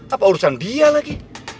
apa urusan dia lagi